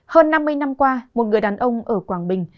hơn năm mươi năm qua một người đàn ông ở quảng bình